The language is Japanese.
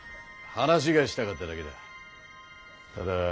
話がしたかっただけだ。